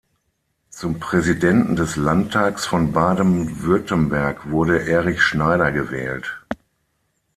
Zum Präsidenten des Landtags von Baden-Württemberg wurde Erich Schneider gewählt.